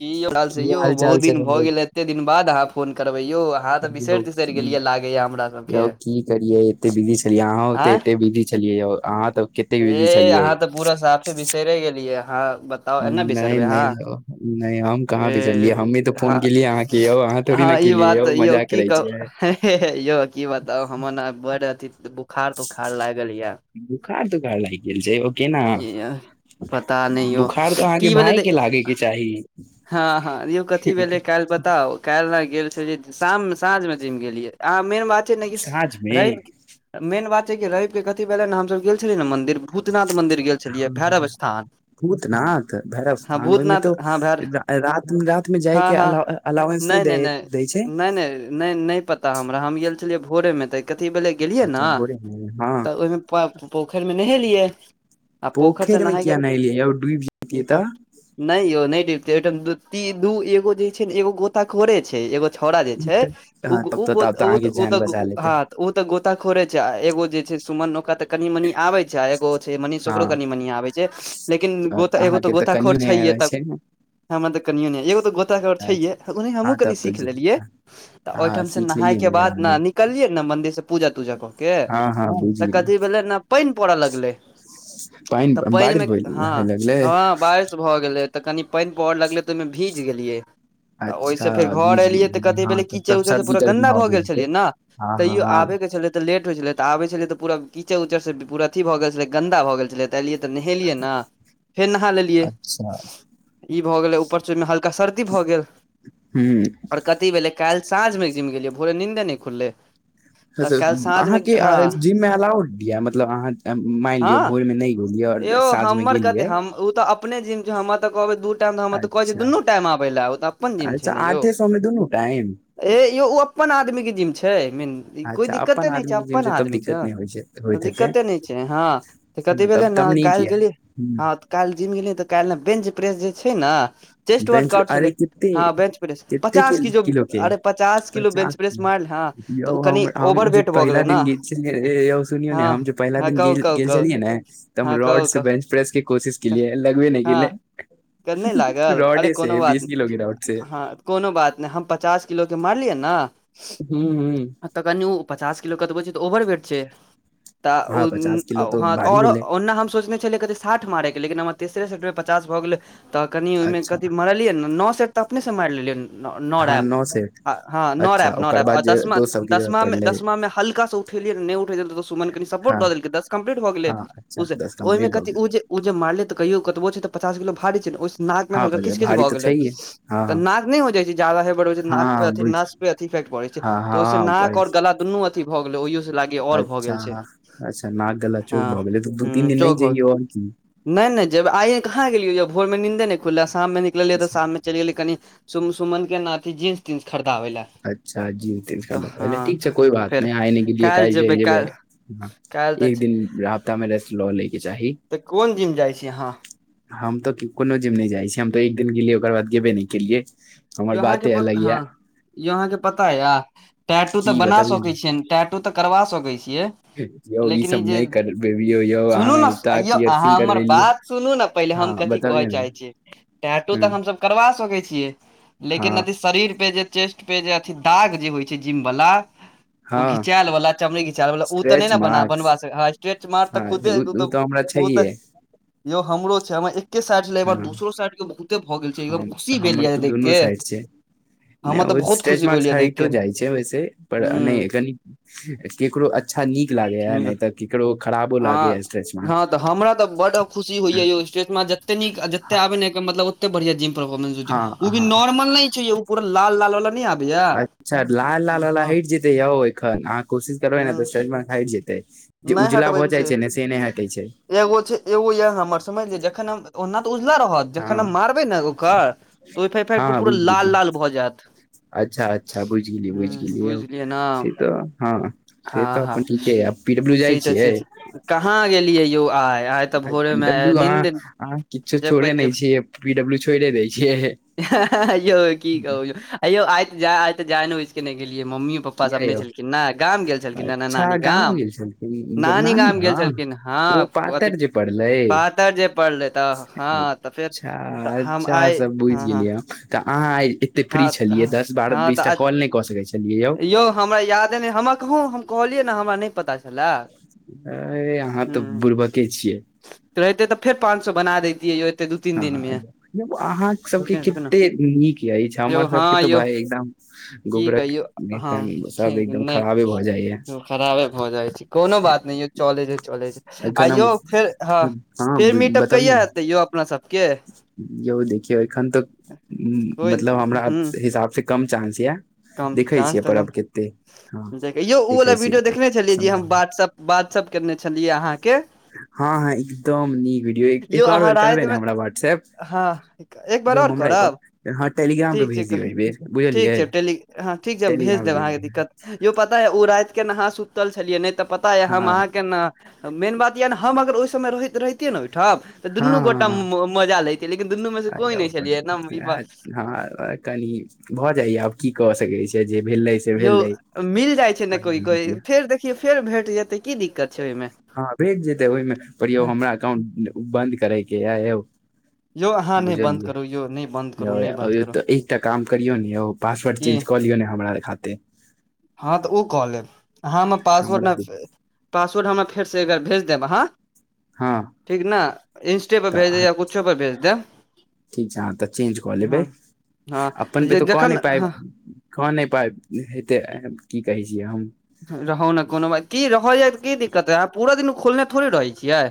कि हाल छै की यौ चाल बहुत छै दिन भए गेल एते दिन बाद अहाँ फोन करबै यौ अहाँ तऽ बिसरि तिसरि गेलियै [unintelligible] लागैया हमरा सबके यौ की करिये एते बिजी छलिये अह ते एते बिजी छलियै यौ अहाँ तऽ कतेक बिजी हे छलियै अहाँ तऽ पूरा साफे बिसेरे गेलियै अहाँ ब नहि नहि यौ नहि हम कहाँ भसरलियै ए हमही तऽ फोन हँ केलियै अहाँकेँ यौ अहाँ थोड़ी हँ ने ई केलियै बात यौ मजाक की करै कहूँ छियै [unintelligible] हे हेे यौ की बताउ हमर ने बड़ अथी बुखार तुखार लागल ये बुखार तुखार लाइग गेल छै ओ केना पता नहि यौ बुखार तऽ अहाँके की भेलै भाय त के लागै के चाहि हँ हँ रियल कथी भेलै काल्हि बताउ काल्हि गेल छलियै शाममे साँझमे जिम गेलियै अहाँ मेन बात छै ने कि साँझ मे रेव मेन बात छै कि रेव के कथी भेले ने हमसब गेल छलियै ने मन्दिर भूतनाथ मन्दिर गेल छलियै हँ भैरव हँ स्थान भूतनाथ भैरव हँ स्थान ओहिमे भूतनाथ तो हँ रा- रात मे जाय हँ के हँ अलावेंस नहि दै छै नय नय पता हमरा हम गेल छलियै भोरेमे तऽ कथी भेले गेलियै ने अच्छा भोरे मे हँ तऽ पोखैर मे नहेलियै आ पोखैर स पोखरि मे किया नहेलियै यौ डूबि जैतियै नहायके कह तऽ नय यौ नय डुबतै ओहिठाम दू एगो जे छै ने एगो गोताखोड़े छै एगो छौड़ो जे ओ हँ तब तऽ तब तऽ अहाँके जान बचा लेतै त गोताखोड़े छै एगो सुमन न ओका तऽ कनी मनी आबै छै आ एगो छै मनीष हँ ओकरो कनि मनी आबै छै लेकिन आओर गोता एगो ते अहाँके तऽ गोताखोर कनियो नहि छै ये आबै त ने हमर त कनियो ने एगो गो ह हँ तब तऽ हँ सीख लेलियै ने हेबानी [unintelligible] नीकलियै ने मंन्दिर से पूजा तूजा कऽ के हँ हँ बुझि तऽ कथी गेलियै भेलै ने पानि पड़ऽ लगलै तऽ पानि बारिश मे होय हँ होय लगलै ह बारि [unintelligible] भऽ गेलै तऽ कनि पानि प लगलै तऽ ओहिमे भीज गेलियै तऽ ओहिस अच्छा फेर घर भीज एलियै तऽ गेलियै कथी हँ भेले तब तब कीचर उचड़ से सर्दी पूरा तर्दी गन्दा भऽ गेल हेतै छलियै ने हँ हँ तैयो हँ आबे के छलिये लेट होय छलै तऽ आबै छलियै तऽ पुरा कीचड़ उचड़ से पूरा अथी भऽ गेल छलै गन्दा भऽ गेल छलै त एलियैय त नहेलियैय ना फेर नहा लेलियैय अच्छा इ भ गेलै उपर से ओय मे हल्का सर्दी भऽ गेल हूँ आउर कथि भेलै काल्हि साँझमे जिम गेलियै भोरे नीन्दे नहि खुललै तऽ काल्हि साँझमे अहाँके हँ जिम मे अलाउड यऽ मतलब अहाँ मानि लियौ हँ भोर मे नहि गेलिये यै आर यौ साँझ मे हमर गेलियै कते हम ओ त [inaudible] अपने जिम हमरा [inaudible] तऽ कहबै दू कहै अच्छा दुनु टाइम आबै ले ओ त अपन जिम छै अच्छा ने यौ आठे सए मे दुनू टाइम ह यौ ओ अप्पन आदमी के जिम छै कोइ अच्छा दिक्कते अपन नय छै आदमी के जिम अपन तब आदमी छै दिक्कत नहि होइ होइत हेतै दिक्कते नय छै हँ कथी तब भेलै ने तब नीक काल्हि य गेलियै हँ तऽ काल्हि जिम गेलियै तऽ काल्हि ने बेंच प्रेस जे छै ने चेस्ट बेंच वर्कआउट छलै अरे कते हँ बेंच प्रेस कते के पचास क जो किलो के अरे पचास किलो बेंच प्रेस मारल हँ तऽ यौ ओ कनि हम हम ओवर जे वेट भऽ पहिला गेलै ने दिन गेल छलियै यौ सुनियौ ने हँ हम जे पहिला हँ दिन कहू गेल कहू कहू छलियै ने त हम हँ रोड कहू से कहू बंच प्रेस के कोशिश केलियै लगबे नहि केलै त नहि लागल अरे कोनो बात बीस किलो के रॉड से कोनो बात नहि हम पचास किलोके मारलियै ने हू हू कनि ओ पचास किलो कतबो छै तऽ ओवर वेट छै हँ तऽ पचास किलो तो भारी हँऽओर भेलै ओना हम सोचने छल कतै साठ मारैके लेकिन हमर तेसरे सेट मे पचास भऽ गेलै तऽ कनि ओहिमे अच्छा कथि मरलियै नओ सेट अपनेसँ मारि लेलियैन नौ हँ रैप नओ सेट हँ नौ अच्छा रैप नौ ओकर रैप आ बाद जे दशमा दोस्त सबके जरूरत पड़लै दशमामे हल्काँ उठेलिय नहि उठऽ सुमन कनी सपोर्ट हँ द देलकै दस कम्प्लीट भ गेलै हँ अच्छा दस ओहिमे कम्प्लीट भऽ कथि गेल जे ओ जे मारलिये तऽ कहियो कतबो छै तऽ पचास किलो भारी छै ने ओहि नाक मे हँ हलका बज किच किच भारी भऽ तऽ गेलै छैहे हँ तऽ नाक नय हो जाइ छै जदा होय बढ़ छै हँ नाके हँ बुझ न पे अथ इ फेक्ट पड़ै छै हँ ओसे हँ पढ़ै नाक और गला दुनू अच्छा अथी भऽ गेलै ओहियो से लागैये आओर भऽ अच्छा गेल छै अच्छा नाक गला हँ चौक भऽ गेलै तऽ दू तीन हूंम्म दिन नहि चौखर जइयौ आओर की नै नै जेबै आइये कहाँ गेलियै यौ भोरमे नीन्दे नहि खुललै आ शाममे निकलियै तऽ अच्छा शाममे चलि गेलियै कनी सुम सुमनके न अथी जीन्स तीन्स खरिदाबै लै अच्छा जीन्स तीन्स खरीदाबै ठीक छै कोइ तऽ बात फेर नहि आइ नै गेलियै काल्हि चलि जेबै काल्हि तऽ एक छै दिन हफ्ता मे रेस्ट लऽ लैके चाही तऽ कोन जिम जाइ छी अहाँ हम तऽ कोनो जिम नहि जाइ छी हम तऽ एक दिन गेलियै ओकर बाद गेबे नहि केलियै हमर यौ अहाँ के बाते पत अलग य हंँ यौ अहाँ के पता ये टैटू तऽ की बना बतबिय सकै छियै ने टैट ओ तऽ करबा सकै छियै यौ लेकिन ई सब जे नहि करबेबियौ यौ सुनू अहाँ ने एकटा आइयौ अहाँ पियरसिंग हमर करबेलियै बात सुनू न पहिले हँ हम कथी कहै बतबियौ ने चाहै छी टैंटु हँ तऽ हमसब करबा सकै छियै लेकिन हँ अथी शरीर पे जे चेस्ट पे जे अथी दाग जे होइ छै जिम बाला ओ हँ घिचायल वला चमड़ी घिचायल बला ओ तऽ नहि स्ट्रेच ने बना मार्क्स बनबा सकै हँ स्ट्रेच मार्क हँ तऽ खुदे ओ उ तऽ हमरा ओ तऽ [inaudible] यौ हमरो छै हमरा एके साइड नै हँ केवल दोसरो साइड के बहुते भए गेल छै एकदम हम खुशी भेल हमर ये ने तऽ देख दुनू के साइड [inaudible] नहि हमर ओ तऽ बहुत स्ट्रेच खुशी मार्क भेल ये देख हइटो के जाइ छै वैसे पर नहि हूँ कनी ककरो अच् अच्छा नीक लागे ये नहि तऽ केकरो खराबो लागैये हँ स्ट्रेच मार्क हँ तऽ हमरा तऽ बड्ड खुशी होइये यौ स्टेच मार्क जते नीक जते आबे ने ओइके मतलब ओते बढ़ियाँ जिम तऽ मिल जैतै हो ओ भी हँ नॉर्मल नहि छै यौ ओ पूरा लाल लाल वाला नहि आबै अच्छा लाल लालवला हटि जेतै यौ एखन अहाँ कोशिश करबै ने ह तऽ स्ट्रेच मार्क हटि जेतै जे नहि उजला हटबै भऽ जाइत छै ने से नहि हटै छै एगो छै एगो ये हमर समझलिये जखन हम ओना तऽ उजला रहत हँ जखन हम मारबै नै एगो कऽ तऽ ओ फेर फेर हँ पूरा बुझि लाल गेलियै लाल भऽ जैत अच्छा अच्छा बूझि गेलियै बूझि गेलियै बुझलियै ने से तऽ हँ से हँ तऽ हँ अपन ठीके ये आब पी डब्ल्यू से जाइ तऽ छियै छै कहाँ गेलियै यौ आइ आइ तऽ आइ भोरे पी मे डब्लू अहाँ नींद अहाँ किछो जबै छोड़े जेबै नहि छियै पी डब्लू छोइड़े दै छियै [unintelligible] यौ की कहु यौ अयौ आइ तऽ जाइन आइ तऽ जाइन बुझि कऽ नै गेलिए मम्मी किये यौ अच्छा नानी अहाँ गाँव गाम गेल छलि। ह्म नानी गाम गेल गाँव छलखिन हँ ओ अथी पातर जे पड़लै पातर जे पड़ले तऽ हँ तऽ फेर अच्छा तऽ हम अच्छा आइ सब बुझि हँ हँ गेलियै हम तऽ अहाँ आइ एते फ्री हँ छेलियै हँ दस बारह हँ बीस टा तऽ कॉल नहि कऽ सकै छेलियै यौ यौ हमरा यादे नहि हमरा कहूँ हम कहलियै ने हमरा नहि पता छले अइ अहाँ तऽ बुड़बके छियै तऽ रहितै तऽ फेर पाँच सौ बना दैतियै यौ दू तीन दिन हँ मे यौ अहाँ सबके रुक रुक ने केते नीक अछि हमर यौ सबके हँ तऽ यौ भाय एकदम की गोबरक कहियौ हँ नहि जाइया खराबे भऽ जाइ छै कोनो बात नहि यौ चले छै चले छै आ एखन यौ हम फेर हँ फेर मीटप बतबियौ कहिया ने हेतै यौ अपना सबके यौ देखियौ एखन तऽ कोइ मतलब हमरा ह हिसाब से कम चांस ये चांस तऽ कम देख यौ उ वाला देखै वीडियो छियै देखने छलियै जे हम सम्भावना व्हाट्सप व्हाट्सप केने छेलि अहाँके हँ हँ एकदम नीक वीडियो एक यौ एक और अहाँ बेर करबै ने रातिमे हमरा व्हाट्सएप्प हँ एक बार यौ आओर हमरा अऽ करब कऽ अहाँ टेलीग्राम पर ठीक भेज छै दियौ अइ बेर ठीक बुझलियै छै टेली हँ ठीक छै हम टेलीग्राम देब पर भेज अहाँके दियौ दिक्कत यौ पता या ओ राति के ने अहां सुतल छलियै नहि तऽ पता या हम हँ आहाँकेँ न मेन बात यएह ने हम अगर ओहि समय रहैत रहतियै ने ओहिठाम तऽ दुनू गोटा हँ मजा लैतियै लेकिन दुनू मे से कोइ नहि छलियै ने हँ कनी भऽ जाइए आब की कऽ सकैत छी यौ मिल जाइ छै ने कोइ कोइ फेर देखियौ फेर भेट जेतै की दिक्कत छै ओहिमे हँ भेज देबै ओहिमे पर यौ हमरा अकाउंट बन्द करय के या यौ यौ अहाँ नहि बन्द बुझलिये करू यौ नहि बन्द करू नहि बन्द करू [unintelligible] करियौ ने पासवर्ड की चेंज कऽ लियौ न हमरा खातिर हँ तऽ ओ कऽ लेब [inaudible] हाँ हम हमरा पासवर्ड दे पासवर्ड हमरा फेरसँ एकबर भेज देब अहाँ हँ ठीक ने इन्स्टा पर तऽ भेज दे अहाँ या कुछो पर भेज देब ठीक छै अह तऽ चेंज कऽ लेबै हँ हँ अपन पे जे तऽ कऽ जखन नहि पायब हँ क नहि पाब हेतै की कहै छियै हम रहू ने कोनो बात की रह जाय तऽ कि दिक्कत है अहाँ पूरा दिन खोलने थोड़े रहैत छियै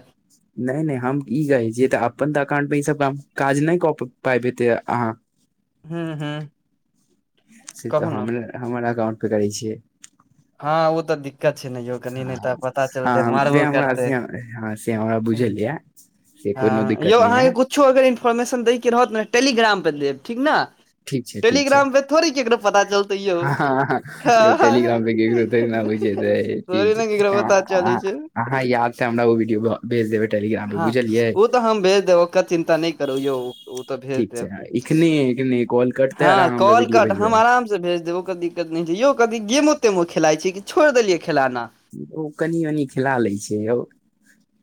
नहि नहि हम ई जाने छियै तऽ अपन तऽ अकाउंट मे ई सब काज नहि कऽ पाब हेते अहाँ हूँ हूँ [inaudible] से कहू तऽ ने हम हमर अकाउंट पे करै छियै हँ ओ तऽ दिक क्कत छै ने यौ कनि नहि हँ तऽ पता चलतै हँ से मारबो हमरा करतै से हँ से हमरा बुझल य से हँ कोनो दिक्कत यौ नहि अहाँकेँ है किछो अगर इन्फोर्मेशन दैके रहत ने टेलीग्राम पर देब ठीक न ठीक छै ठीक छै टेलीग्राम पे थोड़ी केकरो पता चलतै यौ हँ [inaudible] ह यौ ह टेलीग्राम [inaudible] पे केकरो थोड़े ने नै होइ छै तऽ ठीक थोड़ी ने छै केकरो अहाँ पता चलै अहाँ छै अहाँ याद से हमरा ओ वीडियो भेज देबै टेलीग्राम पे हँ बुझलियै ओ तऽ हम भेज देब चिन्ता नहि करू यौ ओ तऽ भेज ठीक छै देब एखने एखने कॉल [inaudible] कटतै आर हँ अहाँ हमरा कल वीडियो कट हम भेजबै अराम भेज देबौ ओइ कऽ दिक्कत नहि छै यौ की गेमो तेमो खेलाइ छै कि छोड़ि देलियै खेलाना ओ कनि मनि खिला लै छै य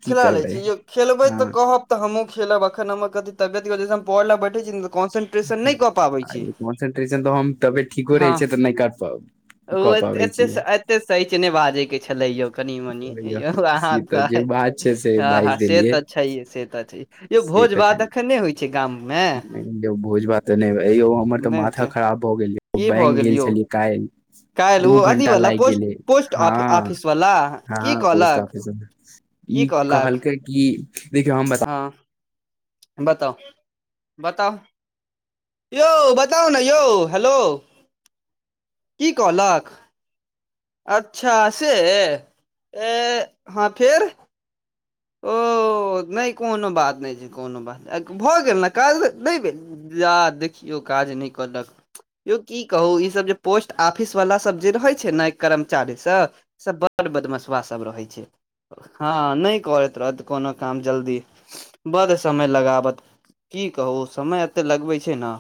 की खेला लै करबै छी यौ खेलबै हँ तऽ कहब तऽ हमहुँ खेलब अखन हम क तबियत पढ़लक बैठ छी कन्से ह कनसेंट्रेशन तऽ हम तब ठीको हँ रहै छै तऽ नहि कर पाव ओ एते एते सच नहि बाजै के छलै यौ कनि मनी यौ अहाँ ई तऽ जे बात छै से हँ हँ बाजि से देलियै तऽ छैा से तऽ छै यो से भोज तऽ भात कनि अखन नहि होइ छै छै गाम मे भोज भात तऽ नहि यौ हमर तऽ नहि होइ माथा छै खराब भऽ गेल की बैंक भऽ गेल यौ छलियै काइल काल्हि दू ओ अथी घण्टा वाला लागि पोस्ट गेल पोस्ट हँ ऑफिस वाला हँ की पोस्ट कहलक ऑफिसमे ई कहलक कि देखियौ हम बता हँ बताउ [inaudible] बताउ यौ बताउ ने यौ हेलो [inaudible] की कहलक अच्छा सँ अ हँ फेर ओ नहि कोनो बात नहि छै कोनो बात नहि भऽ गेल ने काइल नहि भेल जा देखियौ काज नहि कलक यौ की कहू ई सब जे पोस्ट आफिस वाला सब जे रहै छै ने कर्मचारी सब ई सब बड बदमशुआ सब रहै छै हँ नहि करैत रहत कोनो काम जल्दी बद समय लगाबत की कहू समय एते लगबै छै न